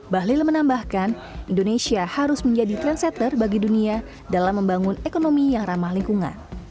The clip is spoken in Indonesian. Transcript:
bahlil menambahkan indonesia harus menjadi trendsetter bagi dunia dalam membangun ekonomi yang ramah lingkungan